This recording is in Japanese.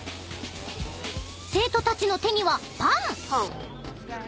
［生徒たちの手にはパン］